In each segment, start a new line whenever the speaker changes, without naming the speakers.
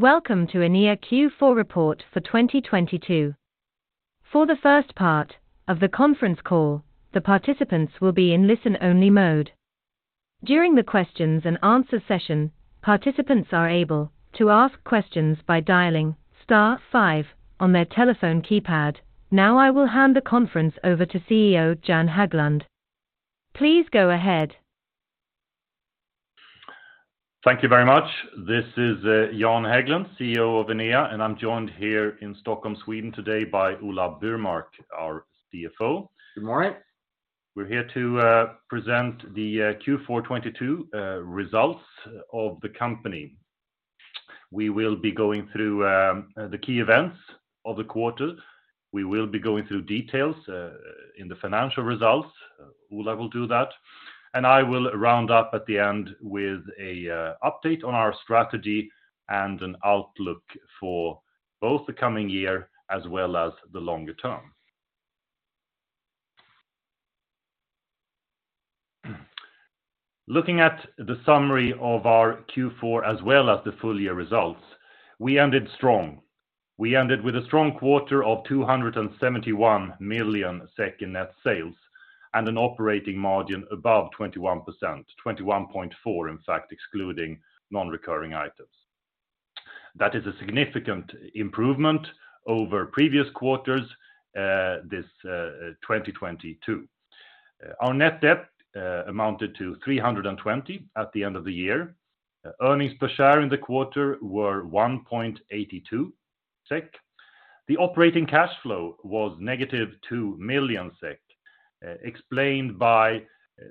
Welcome to Enea Q4 report for 2022. For the first part of the conference call, the participants will be in listen-only mode. During the questions and answers session, participants are able to ask questions by dialing star five on their telephone keypad. Now I will hand the conference over to CEO Jan Häglund. Please go ahead.
Thank you very much. This is Jan Häglund, CEO of Enea, and I'm joined here in Stockholm, Sweden today by Ola Burmark, our CFO.
Good morning.
We're here to present the Q4 2022 results of the company. We will be going through the key events of the quarter. We will be going through details in the financial results. Ola will do that. I will round up at the end with a update on our strategy and an outlook for both the coming year as well as the longer term. Looking at the summary of our Q4 as well as the full-year results, we ended strong. We ended with a strong quarter of 271 million in net sales and an operating margin above 21%, 21.4%, in fact, excluding non-recurring items. That is a significant improvement over previous quarters 2022. Our net debt amounted to 320 million at the end of the year. Earnings per share in the quarter were 1.82 SEK. The operating cash flow was negative 2 million SEK, explained by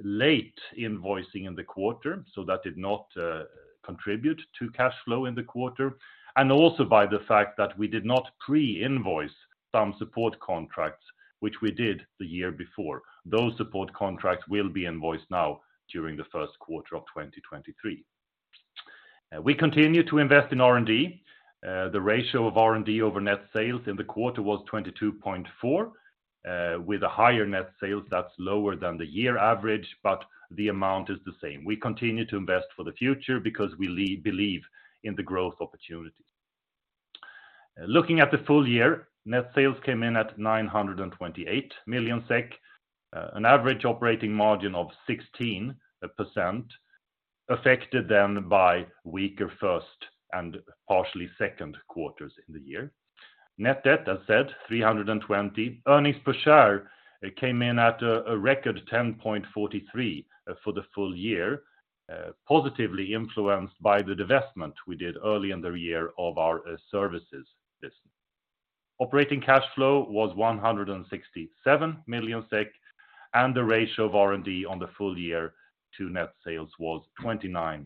late invoicing in the quarter, so that did not contribute to cash flow in the quarter, and also by the fact that we did not pre-invoice some support contracts, which we did the year before. Those support contracts will be invoiced now during the first quarter of 2023. We continue to invest in R&D. The ratio of R&D over net sales in the quarter was 22.4%. With a higher net sales that's lower than the year average, but the amount is the same. We continue to invest for the future because we believe in the growth opportunity. Looking at the full-year, net sales came in at 928 million SEK. An average operating margin of 16% affected then by weaker first and partially second quarters in the year. Net debt, as said, 320. Earnings per share came in at a record 10.43 for the full-year, positively influenced by the divestment we did early in the year of our services business. Operating cash flow was 167 million SEK, and the ratio of R&D on the full-year to net sales was 29%.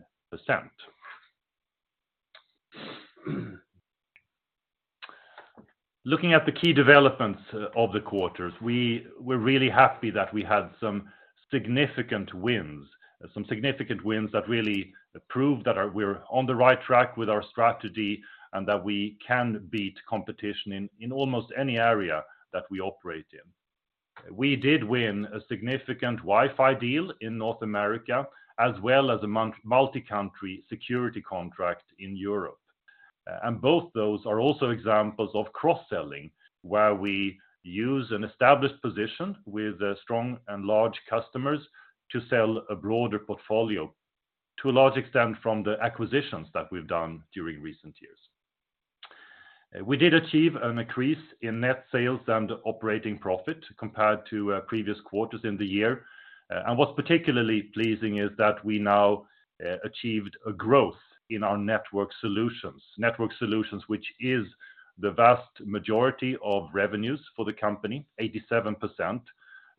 Looking at the key developments of the quarters, we're really happy that we had some significant wins. Some significant wins that really prove that we're on the right track with our strategy and that we can beat competition in almost any area that we operate in. We did win a significant Wi-Fi deal in North America, as well as a multi-country security contract in Europe. Both those are also examples of cross-selling, where we use an established position with strong and large customers to sell a broader portfolio to a large extent from the acquisitions that we've done during recent years. We did achieve an increase in net sales and operating profit compared to previous quarters in the year. What's particularly pleasing is that we now achieved a growth in our network solutions. Network solutions, which is the vast majority of revenues for the company, 87%,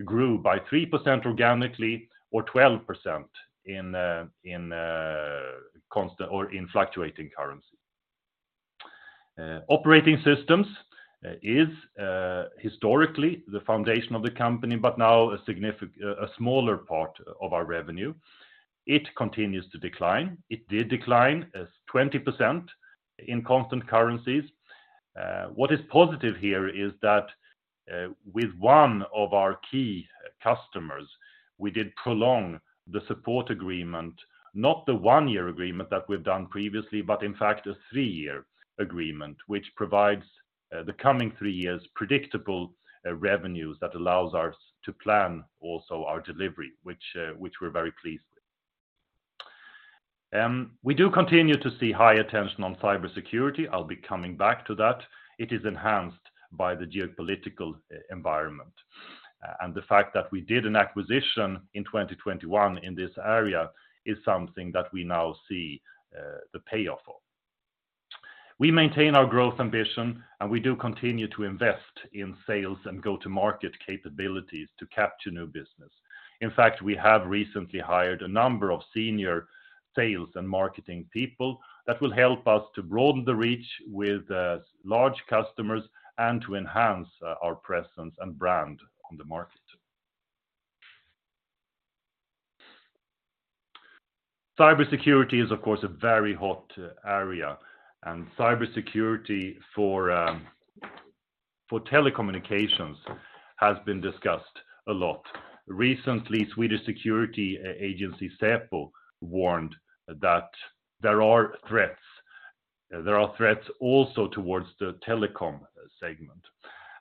grew by 3% organically or 12% in constant or in fluctuating currency. Operating systems is historically the foundation of the company, now a smaller part of our revenue. It continues to decline. It did decline as 20% in constant currencies. What is positive here is that with one of our key customers, we did prolong the support agreement, not the one-year agreement that we've done previously, but in fact a three-year agreement, which provides the coming three years predictable revenues that allows us to plan also our delivery, which we're very pleased with. We do continue to see high attention on cybersecurity. I'll be coming back to that. It is enhanced by the geopolitical environment. The fact that we did an acquisition in 2021 in this area is something that we now see the payoff of. We maintain our growth ambition. We do continue to invest in sales and go-to-market capabilities to capture new business. In fact, we have recently hired a number of senior sales and marketing people that will help us to broaden the reach with large customers and to enhance our presence and brand on the market. Cybersecurity is of course a very hot area. Cybersecurity for telecommunications has been discussed a lot. Recently, Swedish Security Service, SÄPO, warned that there are threats, there are threats also towards the telecom segment,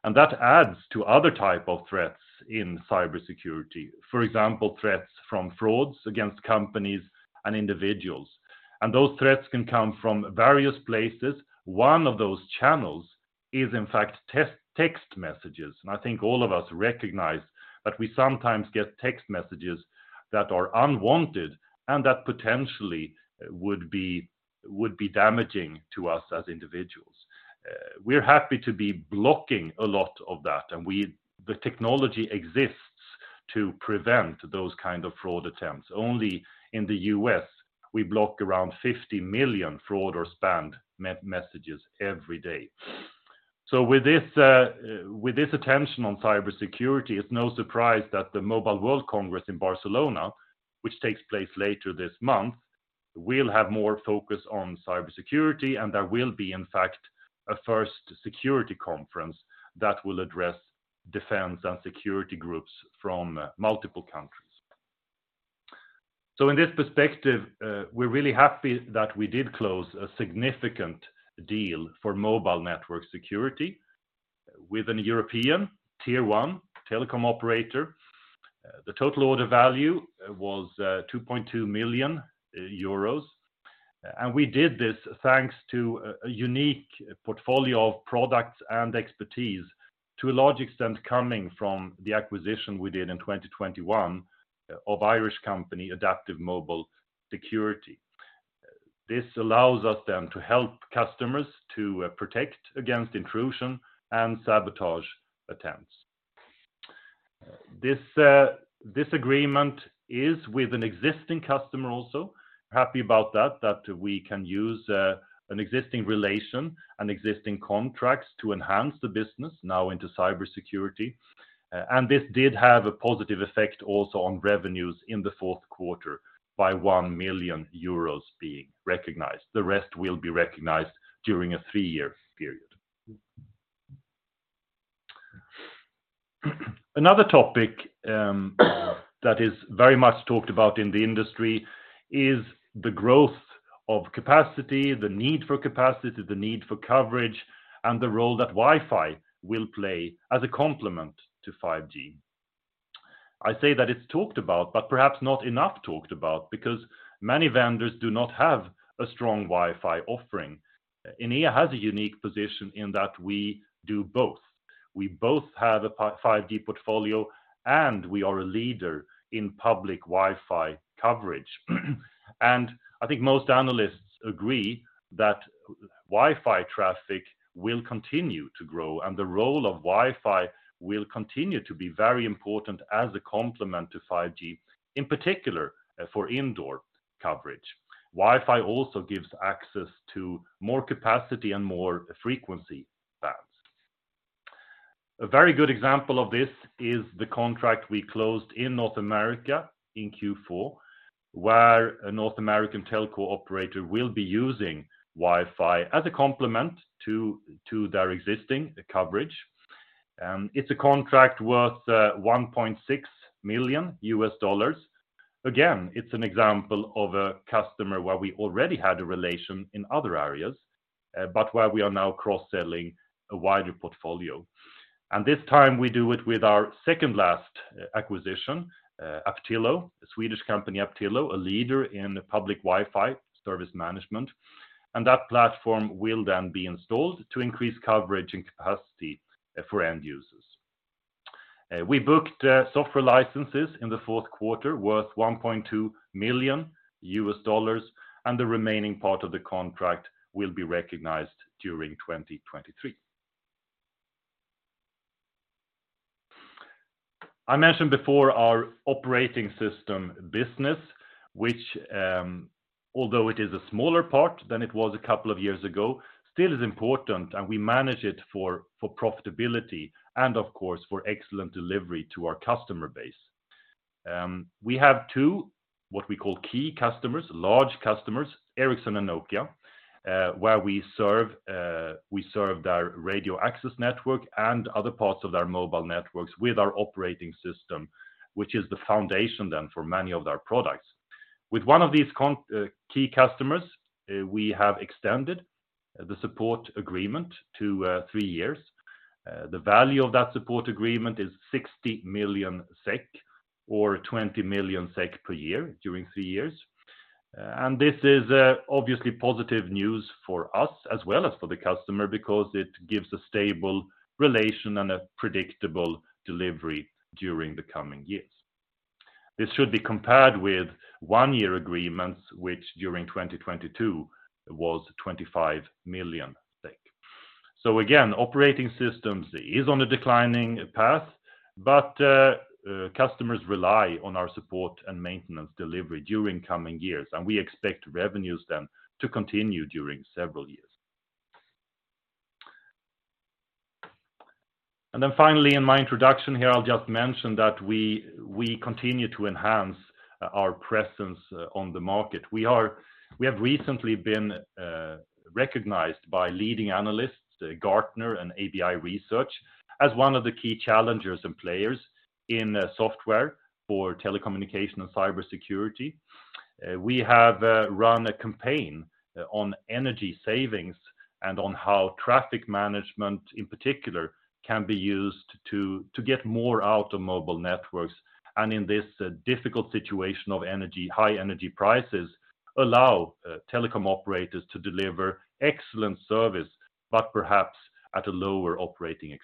and that adds to other type of threats in cybersecurity. For example, threats from frauds against companies and individuals. Those threats can come from various places. One of those channels is, in fact, text messages, and I think all of us recognize that we sometimes get text messages that are unwanted and that potentially would be damaging to us as individuals. We're happy to be blocking a lot of that, the technology exists to prevent those kind of fraud attempts. Only in the U.S., we block around 50 million fraud or spammed messages every day. With this attention on cybersecurity, it's no surprise that the Mobile World Congress in Barcelona, which takes place later this month, will have more focus on cybersecurity. There will be, in fact, a first security conference that will address defense and security groups from multiple countries. In this perspective, we're really happy that we did close a significant deal for mobile network security with an European tier one telecom operator. The total order value was 2.2 million euros. We did this thanks to a unique portfolio of products and expertise, to a large extent, coming from the acquisition we did in 2021 of Irish company, AdaptiveMobile Security. This allows us then to help customers to protect against intrusion and sabotage attempts. This agreement is with an existing customer also. Happy about that we can use an existing relation and existing contracts to enhance the business now into cybersecurity. This did have a positive effect also on revenues in the fourth quarter by 1 million euros being recognized. The rest will be recognized during a three-year period. Another topic that is very much talked about in the industry is the growth of capacity, the need for capacity, the need for coverage, and the role that Wi-Fi will play as a complement to 5G. I say that it's talked about, but perhaps not enough talked about because many vendors do not have a strong Wi-Fi offering. Enea has a unique position in that we do both. We both have a 5G portfolio, and we are a leader in public Wi-Fi coverage. I think most analysts agree that Wi-Fi traffic will continue to grow, and the role of Wi-Fi will continue to be very important as a complement to 5G, in particular for indoor coverage. Wi-Fi also gives access to more capacity and more frequency bands. A very good example of this is the contract we closed in North America in Q4, where a North American telco operator will be using Wi-Fi as a complement to their existing coverage. It's a contract worth $1.6 million. It's an example of a customer where we already had a relation in other areas, but where we are now cross-selling a wider portfolio. This time, we do it with our second last acquisition, Aptilo, a Swedish company, Aptilo, a leader in public Wi-Fi service management. That platform will then be installed to increase coverage and capacity for end users. We booked software licenses in the fourth quarter worth $1.2 million, and the remaining part of the contract will be recognized during 2023. I mentioned before our operating system business, which, although it is a smaller part than it was a couple of years ago, still is important, and we manage it for profitability and of course, for excellent delivery to our customer base. We have two, what we call key customers, large customers, Ericsson and Nokia, where we serve, we serve their Radio Access Network and other parts of their mobile networks with our operating system, which is the foundation then for many of their products. With one of these key customers, we have extended the support agreement to three years. The value of that support agreement is 60 million SEK or 20 million SEK per year during three years. This is obviously positive news for us as well as for the customer because it gives a stable relation and a predictable delivery during the coming years. This should be compared with one-year agreements, which during 2022 was 25 million. Again, operating systems is on a declining path, but customers rely on our support and maintenance delivery during coming years, and we expect revenues then to continue during several years. Finally, in my introduction here, I'll just mention that we continue to enhance our presence on the market. We have recently been recognized by leading analysts, Gartner and ABI Research, as one of the key challengers and players in software for telecommunication and cybersecurity. We have run a campaign on energy savings and on how traffic management, in particular, can be used to get more out of mobile networks. In this difficult situation of energy, high energy prices, allow telecom operators to deliver excellent service, but perhaps at a lower OpEx.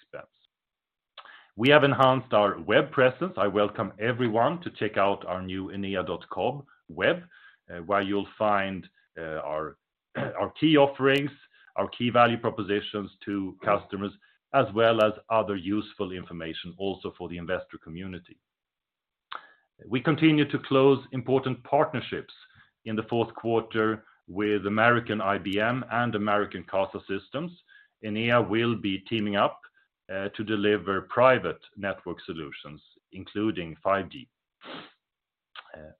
We have enhanced our web presence. I welcome everyone to check out our new Enea.com web, where you'll find our key offerings, our key value propositions to customers, as well as other useful information also for the investor community. We continue to close important partnerships in the fourth quarter with American IBM and American Casa Systems. Enea will be teaming up to deliver private network solutions, including 5G.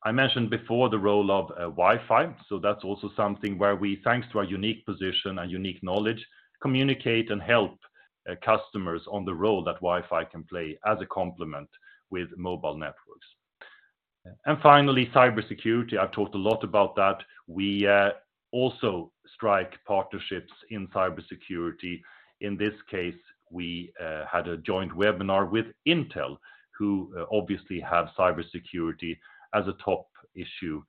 I mentioned before the role of Wi-Fi, so that's also something where we, thanks to our unique position and unique knowledge, communicate and help customers on the role that Wi-Fi can play as a complement with mobile networks. Finally, cybersecurity. I've talked a lot about that. We also strike partnerships in cybersecurity. In this case, we had a joint webinar with Intel, who obviously have cybersecurity as a top issue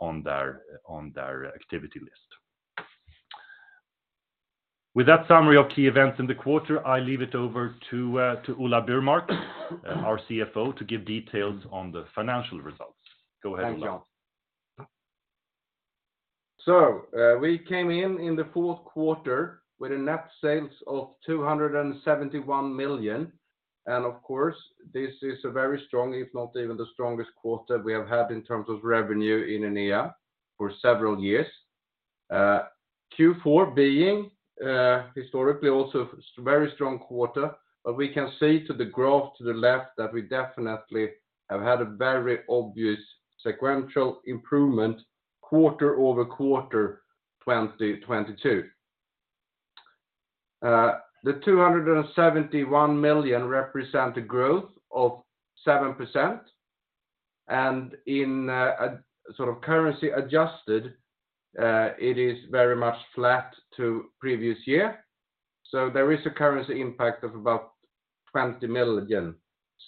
on their activity list. With that summary of key events in the quarter, I leave it over to Ola Burmark, our CFO, to give details on the financial results. Go ahead, Ola.
Thank you. We came in in the fourth quarter with a net sales of 271 million. Of course, this is a very strong, if not even the strongest quarter we have had in terms of revenue in Enea for several years. Q4 being historically also very strong quarter, but we can see to the graph to the left that we definitely have had a very obvious sequential improvement quarter-over-quarter 2022. The 271 million represent a growth of 7%, and in a sort of currency adjusted, it is very much flat to previous year. There is a currency impact of about 20 million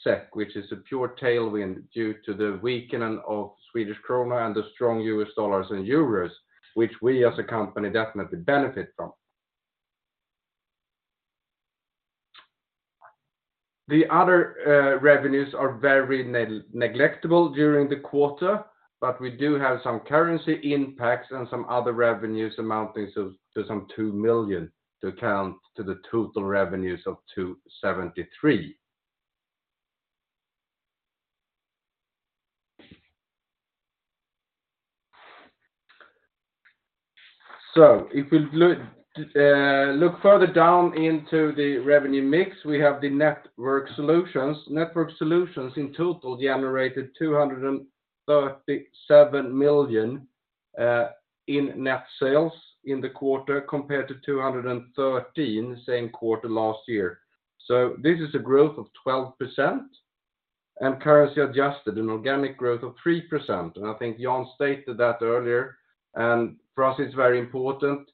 SEK, which is a pure tailwind due to the weakening of Swedish krona and the strong US dollars and euros, which we as a company definitely benefit from. The other revenues are very negligible during the quarter, we do have some currency impacts and some other revenues amounting to some 2 million to account to the total revenues of 273 million. If we look further down into the revenue mix, we have the network solutions. Network solutions in total generated 237 million in net sales in the quarter, compared to 213 million the same quarter last year. This is a growth of 12% and currency adjusted, an organic growth of 3%. I think Jan stated that earlier, for us, it's very important.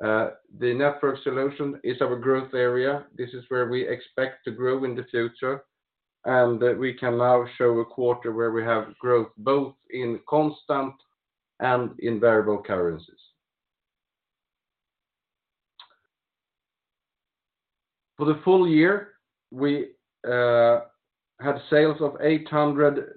The network solution is our growth area. This is where we expect to grow in the future, we can now show a quarter where we have growth both in constant and in variable currencies. For the full-year, we had sales of 800+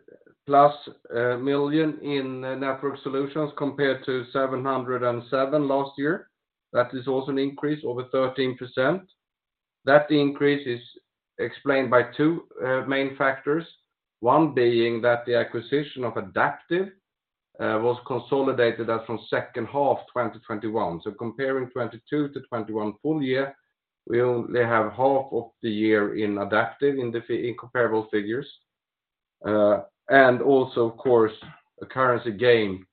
million in network solutions compared to 707 last year. That is also an increase over 13%. That increase is explained by two main factors. One being that the acquisition of Adaptive was consolidated as from second half 2021. Comparing 2022 to 2021 full-year, we only have half of the year in Adaptive in comparable figures. Also of course, a currency gain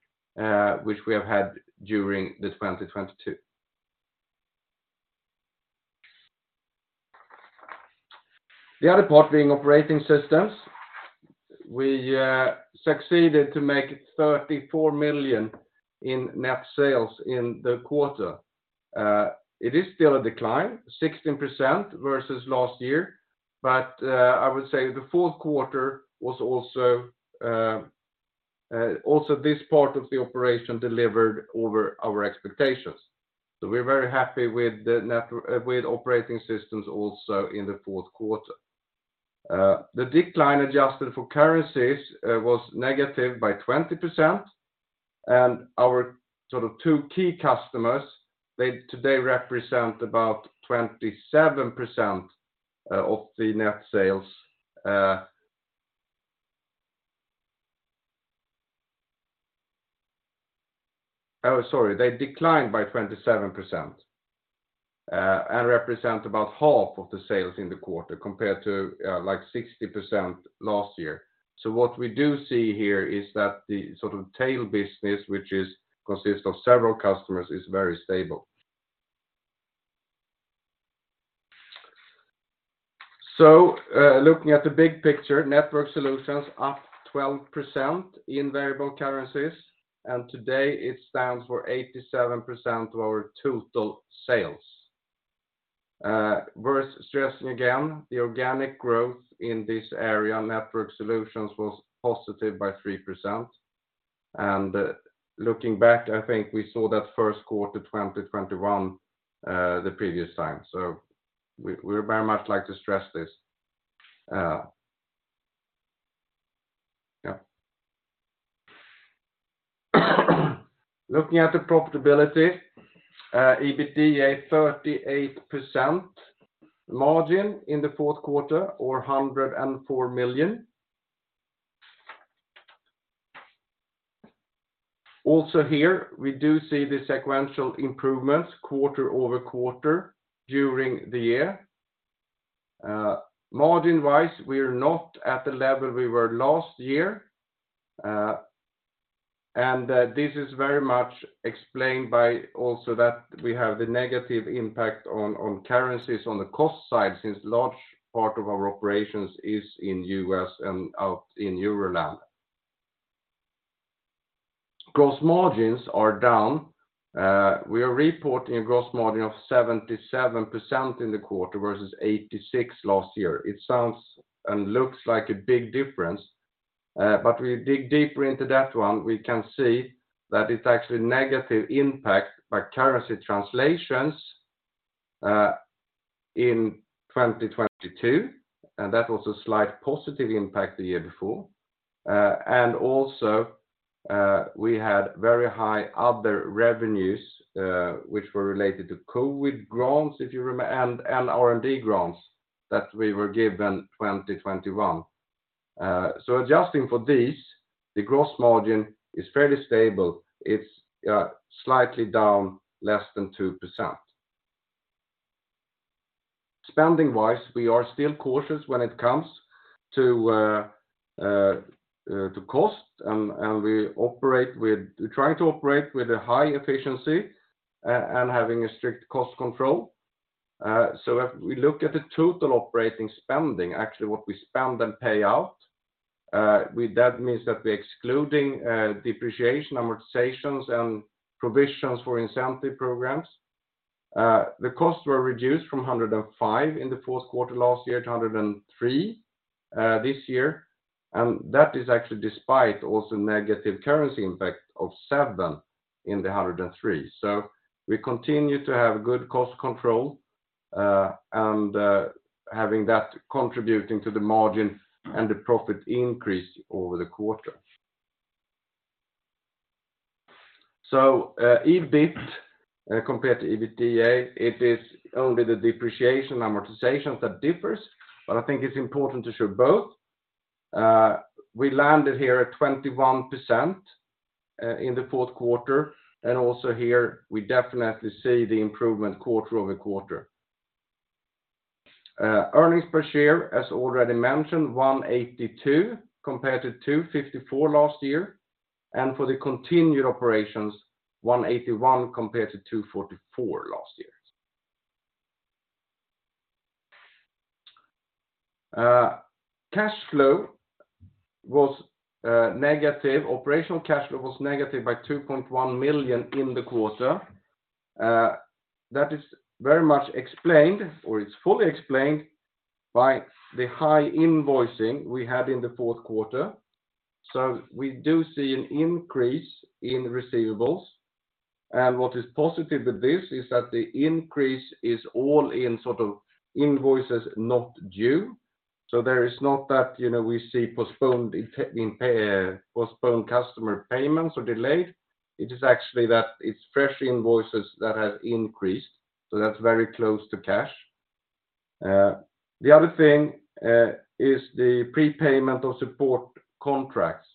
which we have had during the 2022. The other part being operating systems, we succeeded to make 34 million in net sales in the quarter. It is still a decline, 16% versus last year. I would say the fourth quarter was also this part of the operation delivered over our expectations. We're very happy with operating systems also in the fourth quarter. The decline adjusted for currencies was negative by 20%. Our sort of two key customers, they today represent about 27% of the net sales, they declined by 27% and represent about 1/2 of the sales in the quarter compared to like 60% last year. What we do see here is that the sort of tail business, which is consist of several customers, is very stable. Looking at the big picture, network solutions up 12% in variable currencies, and today it stands for 87% of our total sales. Worth stressing again, the organic growth in this area, network solutions, was positive by 3%. Looking back, I think we saw that first quarter 2021, the previous time. We very much like to stress this. Looking at the profitability, EBITDA 38% margin in the fourth quarter or 104 million. Also here we do see the sequential improvements quarter-over-quarter during the year. Margin-wise, we're not at the level we were last year, and this is very much explained by also that we have the negative impact on currencies on the cost side since large part of our operations is in U.S. and out in Euroland. Gross margins are down. We are reporting a gross margin of 77% in the quarter versus 86% last year. It sounds and looks like a big difference, but we dig deeper into that one, we can see that it's actually negative impact by currency translations in 2022, and that was a slight positive impact the year before. Also, we had very high other revenues, which were related to COVID grants and R&D grants that we were given 2021. Adjusting for these, the gross margin is fairly stable. It's slightly down less than 2%. Spending-wise, we are still cautious when it comes to cost and we operate with, we try to operate with a high efficiency and having a strict cost control. If we look at the total operating spending, actually what we spend and pay out, with that means that we're excluding depreciation, amortizations, and provisions for incentive programs. The costs were reduced from 105 in the fourth quarter last year to 103, this year. That is actually despite also negative currency impact of 7 in the 103. We continue to have good cost control, and having that contributing to the margin and the profit increase over the quarter. EBIT compared to EBITDA, it is only the depreciation amortizations that differs, but I think it's important to show both. We landed here at 21% in the fourth quarter, and also here we definitely see the improvement quarter-over-quarter. Earnings per share, as already mentioned, 1.82 compared to 2.54 last year, and for the continued operations, 1.81 compared to 2.44 last year. Cash flow was negative. Operational cash flow was negative by 2.1 million in the quarter. That is very much explained, or it's fully explained by the high invoicing we had in the fourth quarter. We do see an increase in receivables, and what is positive with this is that the increase is all in sort of invoices not due. There is not that, you know, we see postponed customer payments or delayed. It is actually that it's fresh invoices that have increased, so that's very close to cash. The other thing is the prepayment of support contracts.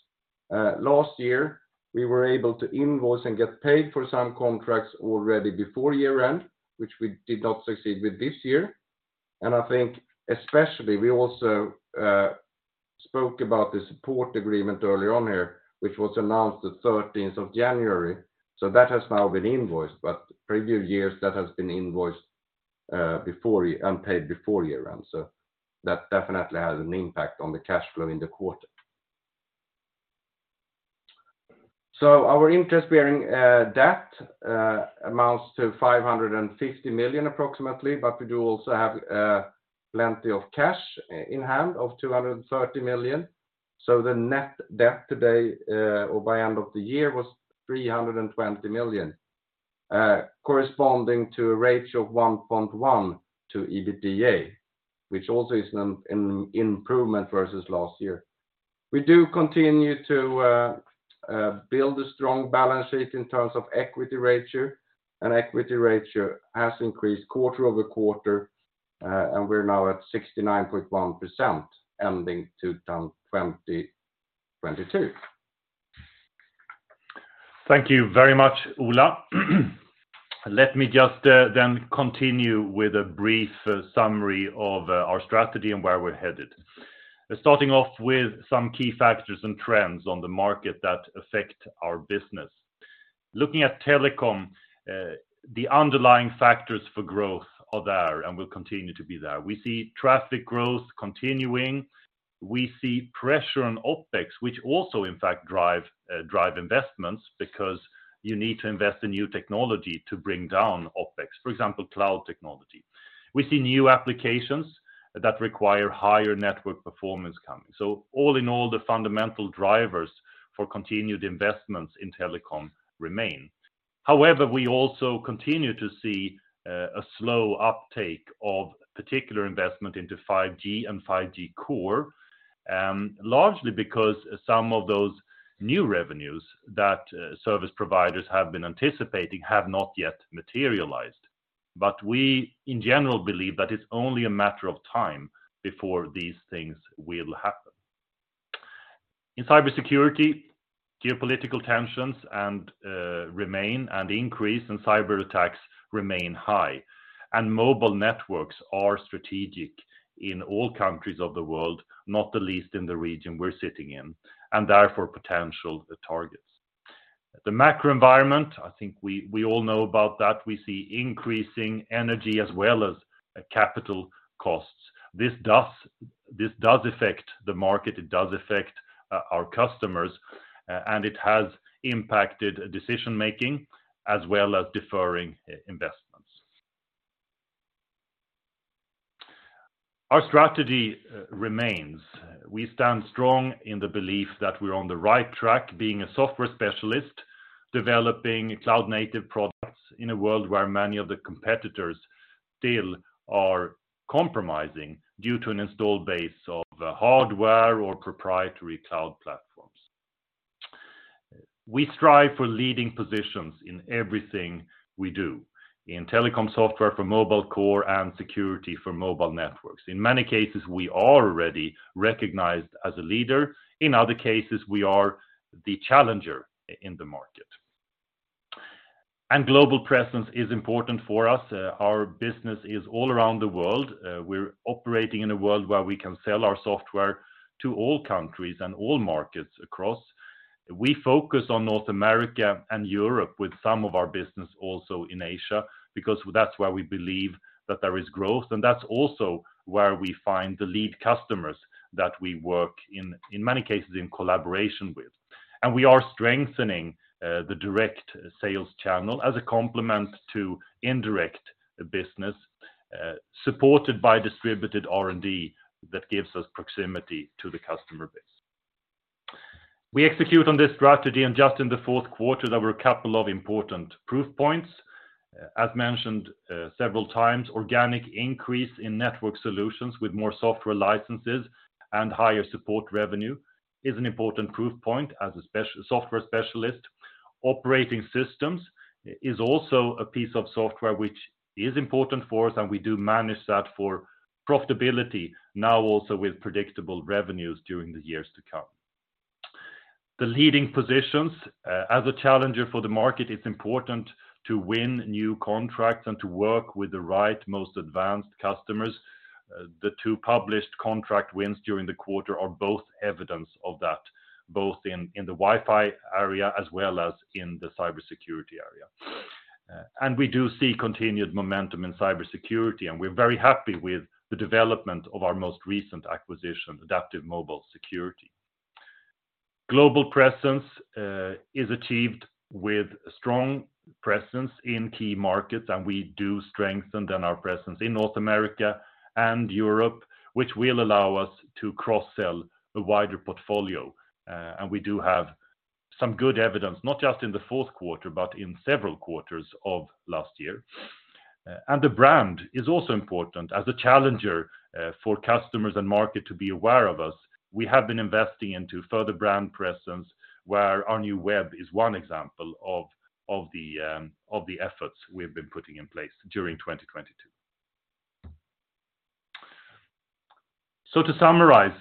Last year, we were able to invoice and get paid for some contracts already before year-end, which we did not succeed with this year. I think especially we also spoke about the support agreement earlier on here, which was announced the 13th of January. That has now been invoiced, but previous years that has been invoiced before and paid before year-end. That definitely has an impact on the cash flow in the quarter. Our interest bearing debt amounts to 550 million approximately, but we do also have plenty of cash in hand of 230 million. The net debt today, or by end of the year was 320 million, corresponding to a ratio of 1.1 to EBITDA, which also is an improvement versus last year. We do continue to build a strong balance sheet in terms of equity ratio. Equity ratio has increased quarter-over-quarter. We're now at 69.1% ending 2022.
Thank you very much, Ola. Let me just then continue with a brief summary of our strategy and where we're headed. Starting off with some key factors and trends on the market that affect our business. Looking at telecom, the underlying factors for growth are there and will continue to be there. We see traffic growth continuing. We see pressure on OpEx, which also, in fact, drive investments because you need to invest in new technology to bring down OpEx, for example, cloud technology. We see new applications that require higher network performance coming. All in all, the fundamental drivers for continued investments in telecom remain. However, we also continue to see a slow uptake of particular investment into 5G and 5G Core, largely because some of those new revenues that service providers have been anticipating have not yet materialized. We, in general, believe that it's only a matter of time before these things will happen. In cybersecurity, geopolitical tensions and remain and increase in cyberattacks remain high. Mobile networks are strategic in all countries of the world, not the least in the region we're sitting in, and therefore potential targets. The macro environment, I think we all know about that. We see increasing energy as well as capital costs. This does affect the market, it does affect our customers, and it has impacted decision-making as well as deferring investments. Our strategy remains. We stand strong in the belief that we're on the right track being a software specialist, developing cloud native products in a world where many of the competitors still are compromising due to an installed base of hardware or proprietary cloud platforms. We strive for leading positions in everything we do. In telecom software for mobile core and security for mobile networks. In many cases, we are already recognized as a leader. In other cases, we are the challenger in the market. Global presence is important for us. Our business is all around the world. We're operating in a world where we can sell our software to all countries and all markets across. We focus on North America and Europe with some of our business also in Asia because that's where we believe that there is growth, and that's also where we find the lead customers that we work in many cases, in collaboration with. We are strengthening the direct sales channel as a complement to indirect business, supported by distributed R&D that gives us proximity to the customer base. We execute on this strategy, and just in the fourth quarter, there were a couple of important proof points. As mentioned, several times, organic increase in network solutions with more software licenses and higher support revenue is an important proof point as a software specialist. Operating systems is also a piece of software which is important for us, and we do manage that for profitability now also with predictable revenues during the years to come. The leading positions, as a challenger for the market, it's important to win new contracts and to work with the right, most advanced customers. The two published contract wins during the quarter are both evidence of that, both in the Wi-Fi area as well as in the cybersecurity area. We do see continued momentum in cybersecurity, and we're very happy with the development of our most recent acquisition, AdaptiveMobile Security. Global presence, is achieved with strong presence in key markets, and we do strengthen our presence in North America and Europe, which will allow us to cross-sell a wider portfolio. We do have some good evidence, not just in the fourth quarter, but in several quarters of last year. The brand is also important. As a challenger, for customers and market to be aware of us, we have been investing into further brand presence, where our new web is one example of the efforts we've been putting in place during 2022. To summarize,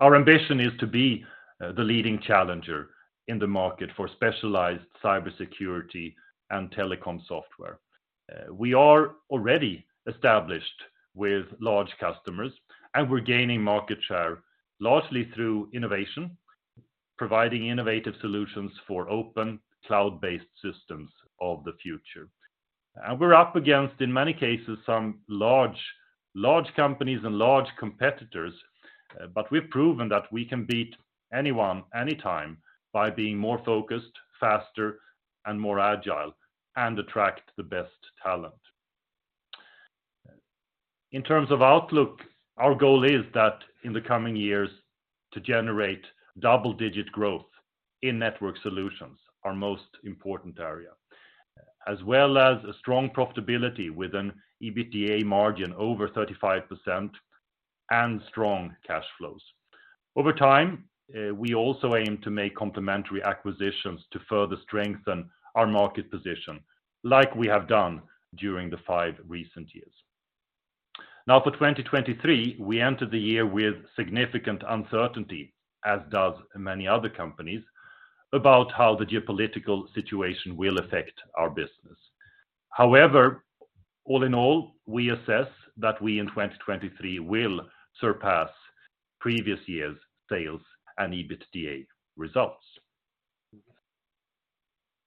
our ambition is to be the leading challenger in the market for specialized cybersecurity and telecom software. We are already established with large customers, and we're gaining market share, largely through innovation, providing innovative solutions for open cloud-based systems of the future. We're up against, in many cases, some large companies and large competitors, but we've proven that we can beat anyone anytime by being more focused, faster, and more agile and attract the best talent. In terms of outlook, our goal is that in the coming years to generate double-digit growth in network solutions, our most important area, as well as a strong profitability with an EBITDA margin over 35%. Strong cash flows. Over time, we also aim to make complementary acquisitions to further strengthen our market position, like we have done during the five recent years. For 2023, we entered the year with significant uncertainty, as does many other companies, about how the geopolitical situation will affect our business. All in all, we assess that we in 2023 will surpass previous years' sales and EBITDA results.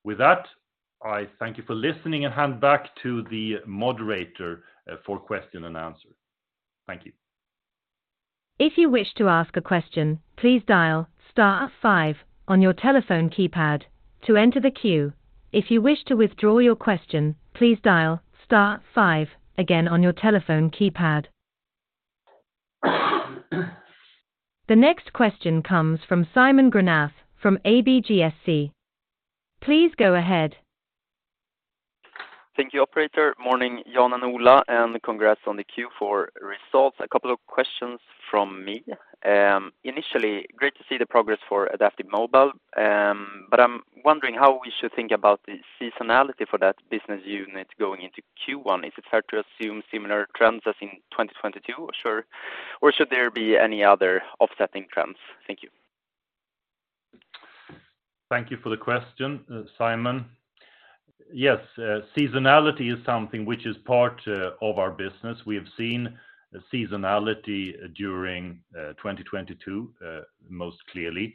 With that, I thank you for listening and hand back to the moderator for question and answer. Thank you.
If you wish to ask a question, please dial star five on your telephone keypad to enter the queue. If you wish to withdraw your question, please dial star five again on your telephone keypad. The next question comes from Simon Granath from ABGSC. Please go ahead.
Thank you, operator. Morning, Jan and Ola, congrats on the Q4 results. A couple of questions from me. Initially, great to see the progress for Adaptive Mobile. I'm wondering how we should think about the seasonality for that business unit going into Q1. Is it fair to assume similar trends as in 2022? Should there be any other offsetting trends? Thank you.
Thank you for the question, Simon. Yes, seasonality is something which is part of our business. We have seen seasonality during 2022 most clearly.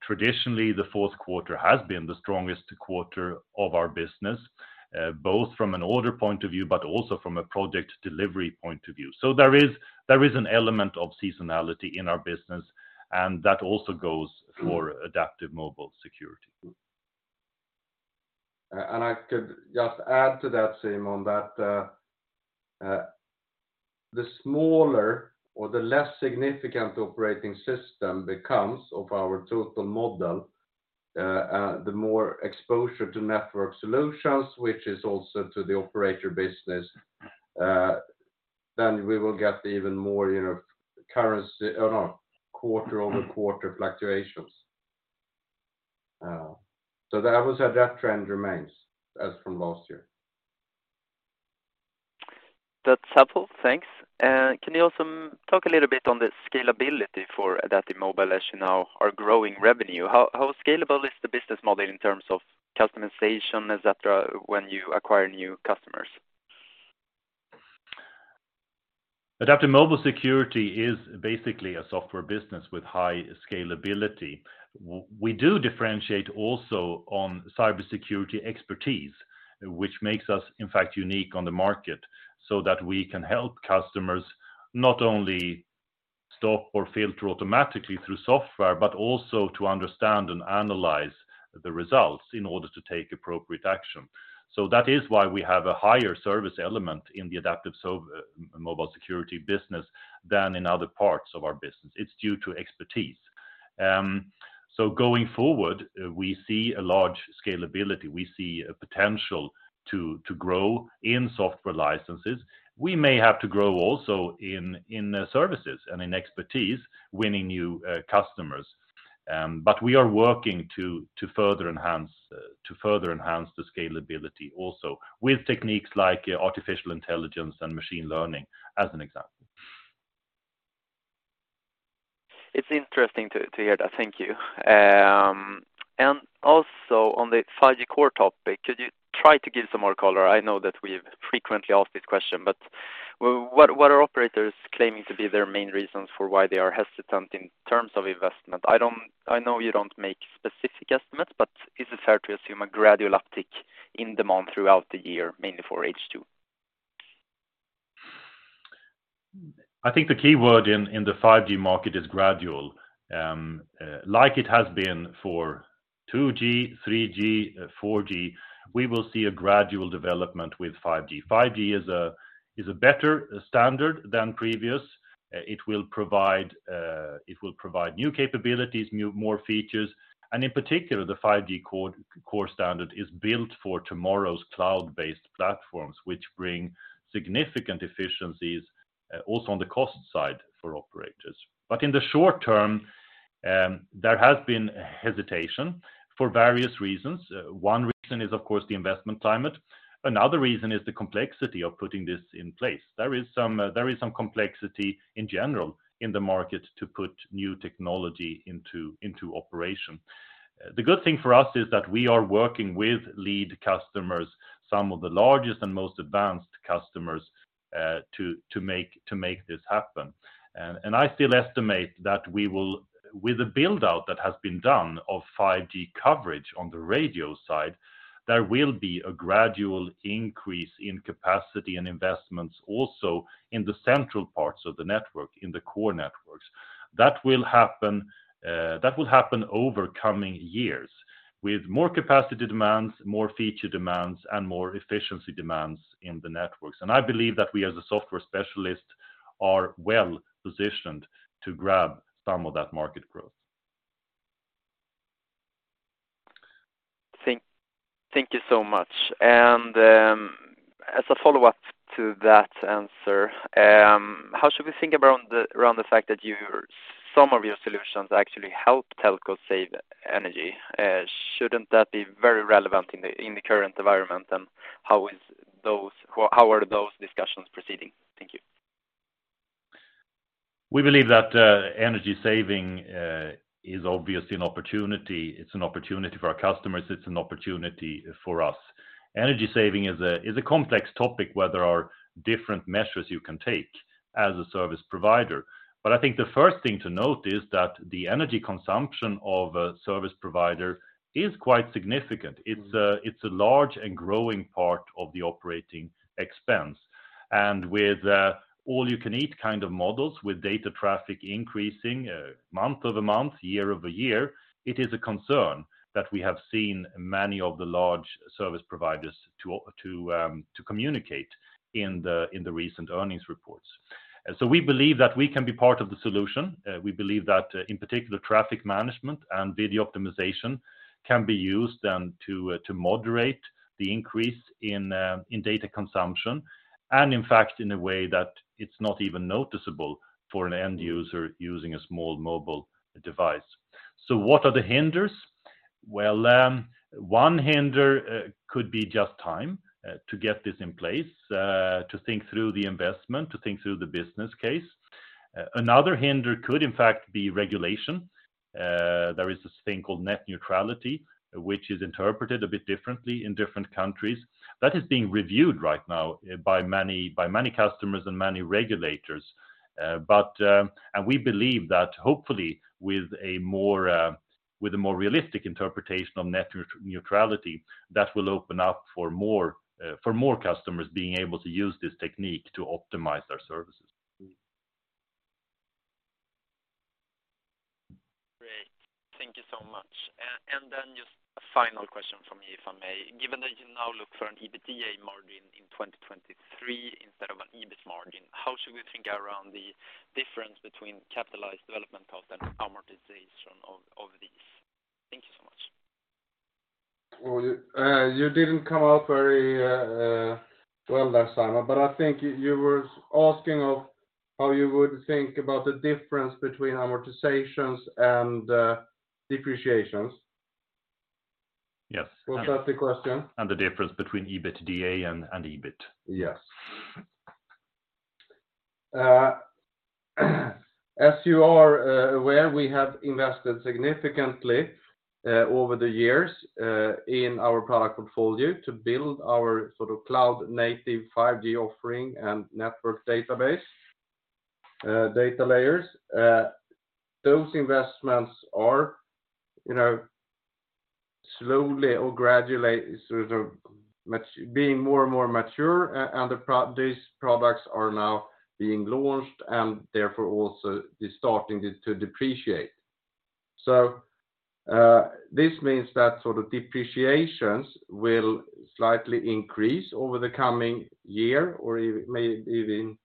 Traditionally, the fourth quarter has been the strongest quarter of our business, both from an order point of view, but also from a project delivery point of view. There is an element of seasonality in our business, and that also goes for AdaptiveMobile Security.
I could just add to that, Simon, that the smaller or the less significant operating system becomes of our total model, the more exposure to network solutions, which is also to the operator business, then we will get even more, you know, quarter-over-quarter fluctuations. I would say that trend remains as from last year.
That's helpful. Thanks. Can you also talk a little bit on the scalability for Adaptive Mobile as you now are growing revenue? How scalable is the business model in terms of customization, et cetera, when you acquire new customers?
AdaptiveMobile Security is basically a software business with high scalability. We do differentiate also on cybersecurity expertise, which makes us, in fact, unique on the market, so that we can help customers not only stop or filter automatically through software, but also to understand and analyze the results in order to take appropriate action. That is why we have a higher service element in the AdaptiveMobile Security business than in other parts of our business. It's due to expertise. Going forward, we see a large scalability. We see a potential to grow in software licenses. We may have to grow also in services and in expertise, winning new customers. We are working to further enhance the scalability also with techniques like artificial intelligence and machine learning, as an example.
It's interesting to hear that. Thank you. Also on the 5G Core topic, could you try to give some more color? I know that we've frequently asked this question, but what are operators claiming to be their main reasons for why they are hesitant in terms of investment? I know you don't make specific estimates, but is it fair to assume a gradual uptick in demand throughout the year, mainly for H2?
I think the key word in the 5G market is gradual. Like it has been for 2G, 3G, 4G, we will see a gradual development with 5G. 5G is a better standard than previous. It will provide new capabilities, more features, and in particular, the 5G Core standard is built for tomorrow's cloud-based platforms, which bring significant efficiencies also on the cost side for operators. In the short term, there has been hesitation for various reasons. One reason is, of course, the investment climate. Another reason is the complexity of putting this in place. There is some complexity in general in the market to put new technology into operation. The good thing for us is that we are working with lead customers, some of the largest and most advanced customers, to make this happen. I still estimate that we will, with the build-out that has been done of 5G coverage on the radio side, there will be a gradual increase in capacity and investments also in the central parts of the network, in the core networks. That will happen over coming years with more capacity demands, more feature demands, and more efficiency demands in the networks. I believe that we, as a software specialist, are well-positioned to grab some of that market growth.
Thank you so much. As a follow-up to that answer, how should we think around the fact that some of your solutions actually help telco save energy? Shouldn't that be very relevant in the current environment and how are those discussions proceeding? Thank you.
We believe that energy saving is obviously an opportunity. It's an opportunity for our customers, it's an opportunity for us. Energy saving is a complex topic where there are different measures you can take as a service provider. I think the first thing to note is that the energy consumption of a service provider is quite significant. It's a large and growing part of the operating expense. With all you can eat kind of models, with data traffic increasing month-over-month, year-over-year, it is a concern that we have seen many of the large service providers to communicate in the recent earnings reports. We believe that we can be part of the solution. We believe that, in particular, traffic management and video optimization can be used to moderate the increase in data consumption. In fact, in a way that it's not even noticeable for an end user using a small mobile device. What are the hinders? Well, one hinder could be just time to get this in place, to think through the investment, to think through the business case. Another hinder could in fact be regulation. There is this thing called net neutrality, which is interpreted a bit differently in different countries. That is being reviewed right now by many customers and many regulators. We believe that hopefully with a more, with a more realistic interpretation of net neutrality, that will open up for more, for more customers being able to use this technique to optimize their services.
Great. Thank you so much. Just a final question from me, if I may. Given that you now look for an EBITDA margin in 2023 instead of an EBIT margin, how should we think around the difference between capitalized development costs and amortization of these? Thank you so much.
Well, you didn't come out very well there, Simon, but I think you were asking of how you would think about the difference between amortizations and depreciations.
Yes.
Was that the question?
The difference between EBITDA and EBIT.
Yes. As you are aware, we have invested significantly over the years in our product portfolio to build our sort of cloud native 5G offering and network database, data layers. Those investments are, you know, slowly or gradually sort of being more and more mature. These products are now being launched and therefore also they're starting to depreciate. This means that sort of depreciations will slightly increase over the coming year or even may even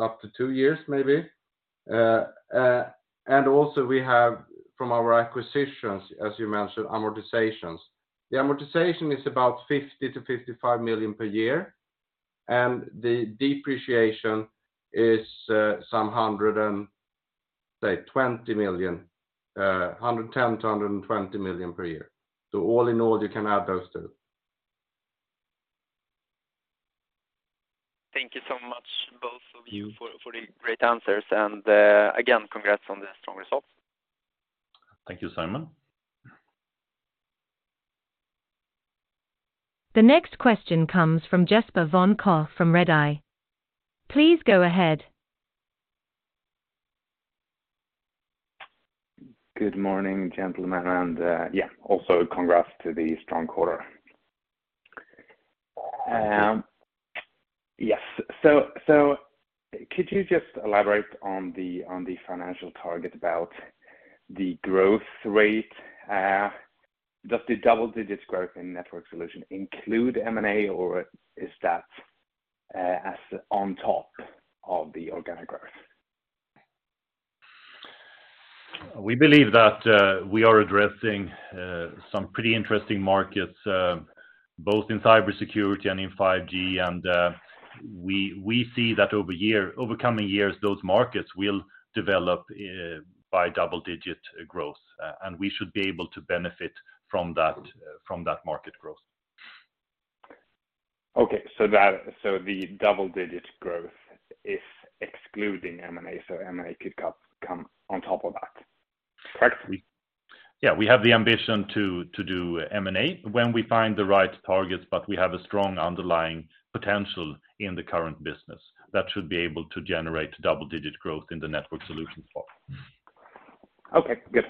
up to two years, maybe. Also we have from our acquisitions, as you mentioned, amortizations. The amortization is about 50-55 million per year, and the depreciation is some 120 million, 110-120 million per year. All in all, you can add those two.
Thank you so much, both of you, for the great answers. Again, congrats on the strong results.
Thank you, Simon.
The next question comes from Jesper von Koch from Redeye. Please go ahead.
Good morning, gentlemen. Yeah, also congrats to the strong quarter.
Thank you.
Yes. Could you just elaborate on the financial target about the growth rate? Does the double-digit growth in network solution include M&A or is that as on top of the organic growth?
We believe that we are addressing some pretty interesting markets both in cybersecurity and in 5G. We see that over coming years, those markets will develop by double-digit growth, and we should be able to benefit from that from that market growth.
Okay. The double-digit growth is excluding M&A, M&A could come on top of that?
Correct.
Yeah. We have the ambition to do M&A when we find the right targets. We have a strong underlying potential in the current business that should be able to generate double-digit growth in the network solution for us.
Okay, good.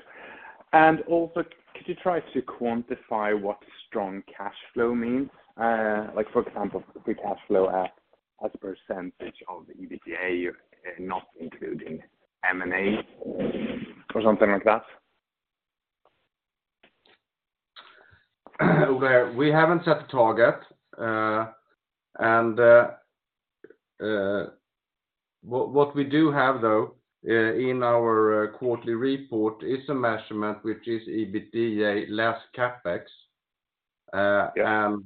Also, could you try to quantify what strong cash flow means? Like for example, the cash flow as a % of the EBITDA, not including M&A or something like that?
Well, we haven't set a target, what we do have, though, in our quarterly report is a measurement which is EBITDA less CapEx. I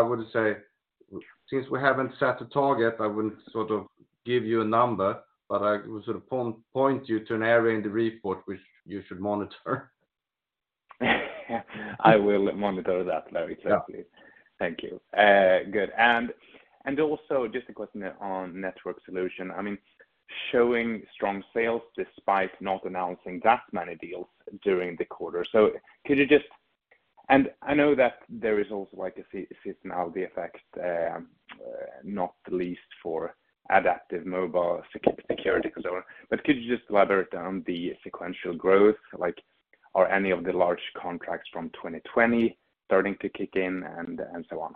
would say since we haven't set a target, I wouldn't sort of give you a number, but I would sort of point you to an area in the report which you should monitor.
I will monitor that very carefully.
Yeah.
Thank you. Good. Also just a question on network solution. I mean, showing strong sales despite not announcing that many deals during the quarter. Could you just... I know that there is also like a sea-seasonality effect, not least for AdaptiveMobile Security customer. Could you just elaborate on the sequential growth? Like, are any of the large contracts from 2020 starting to kick in and so on?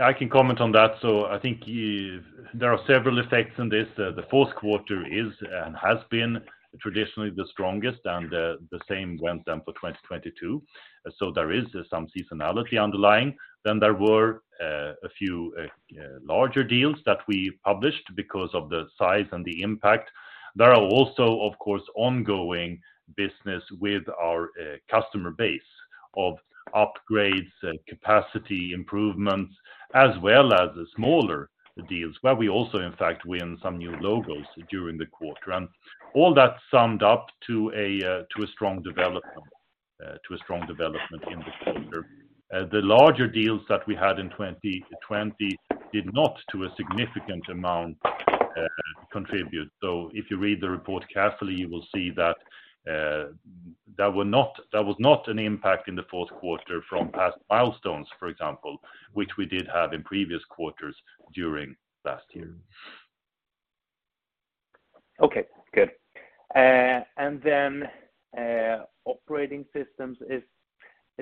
I can comment on that. I think there are several effects in this. The fourth quarter is, and has been traditionally the strongest, the same went then for 2022. There is some seasonality underlying. There were a few larger deals that we published because of the size and the impact. There are also, of course, ongoing business with our customer base of upgrades, capacity improvements, as well as smaller deals, where we also, in fact, win some new logos during the quarter. All that summed up to a strong development in the quarter. The larger deals that we had in 2020 did not, to a significant amount, contribute. If you read the report carefully, you will see that was not an impact in the fourth quarter from past milestones, for example, which we did have in previous quarters during last year.
Okay, good. Then, operating systems, is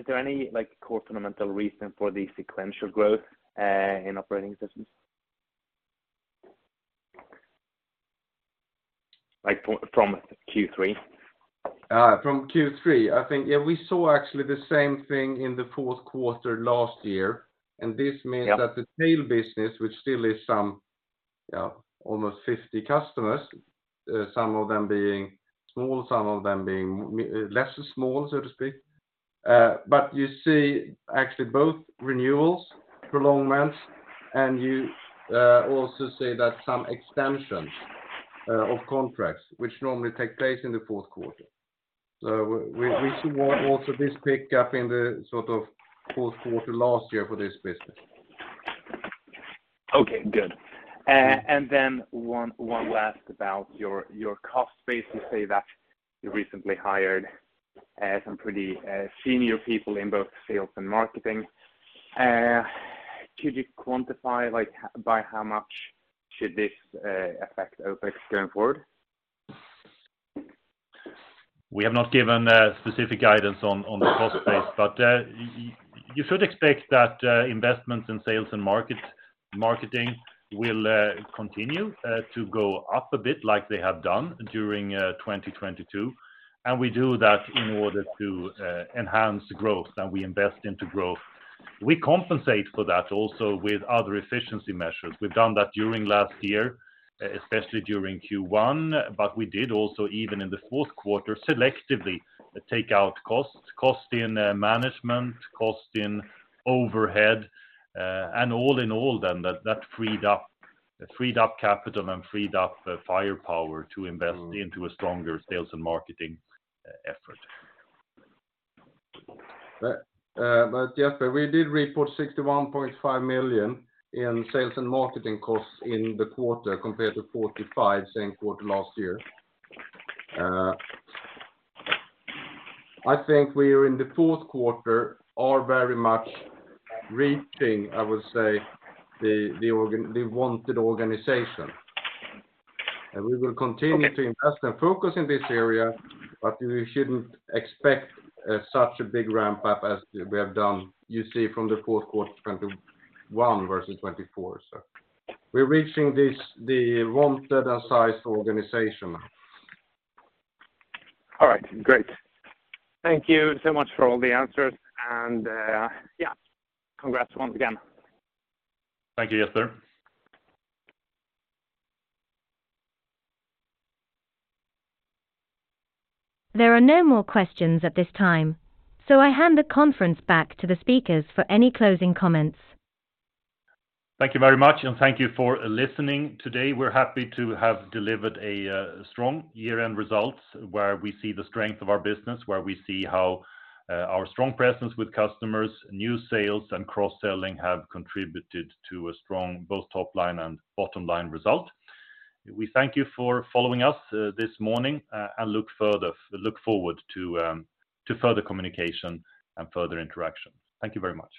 there any, like, core fundamental reason for the sequential growth, in operating systems? Like from Q3.
from Q3, I think, yeah, we saw actually the same thing in the fourth quarter last year, and this means-
Yeah...
that the tail business, which still is some, almost 50 customers, some of them being small, some of them being less small, so to speak. You see actually both renewals, prolongments, and you, also see that some extensions, of contracts which normally take place in the fourth quarter. We see also this pick up in the sort of fourth quarter last year for this business.
Okay, good. Then one last about your cost base. You say that you recently hired, some pretty, senior people in both sales and marketing. Could you quantify, like, by how much should this affect OpEx going forward?
We have not given specific guidance on the cost base, but you should expect that investments in sales and marketing will continue to go up a bit like they have done during 2022. We do that in order to enhance growth, and we invest into growth. We compensate for that also with other efficiency measures. We've done that during last year, especially during Q1, but we did also, even in the fourth quarter, selectively take out costs, cost in management, cost in overhead, and all in all then that freed up capital and freed up firepower to invest into a stronger sales and marketing effort.
Jasper, we did report 61.5 million in sales and marketing costs in the quarter compared to 45 same quarter last year. I think we are in the fourth quarter very much reaching, I would say the wanted organization. We will continue to invest and focus in this area, but you shouldn't expect such a big ramp up as we have done, you see from the fourth quarter 2021 versus 2024. We're reaching this, the wanted and sized organization.
All right, great. Thank you so much for all the answers. Yeah, congrats once again.
Thank you, Jesper.
There are no more questions at this time. I hand the conference back to the speakers for any closing comments.
Thank you very much. Thank you for listening today. We're happy to have delivered a strong year-end results where we see the strength of our business, where we see how our strong presence with customers, new sales and cross-selling have contributed to a strong both top line and bottom line result. We thank you for following us this morning, and look forward to further communication and further interaction. Thank you very much.